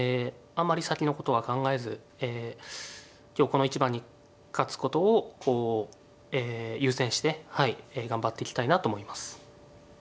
あんまり先のことは考えず今日この一番に勝つことをこう優先して頑張っていきたいなと思います。